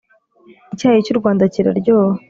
Icyayi cyurwanda cyiraryoha